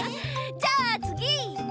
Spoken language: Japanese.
じゃあつぎ！